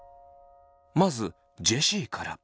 まずジェシーから。